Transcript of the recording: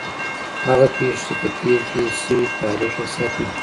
هغه پېښې چې په تېر کې سوي تاریخ یې ساتي.